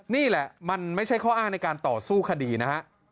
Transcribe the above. นี่แหละมันไม่ใช่ข้ออ้างในการต่อสู้คดีนะฮะ